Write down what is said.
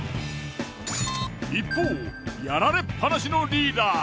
一方やられっぱなしのリーダー。